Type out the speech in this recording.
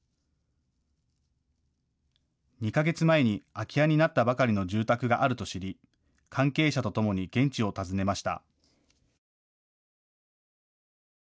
２か月前に空き家になったばかりの住宅があると知り関係者と共に現地を訪ねました。